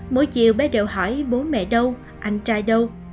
mỗi chiều bé đều hỏi bố mẹ đâu anh trai đâu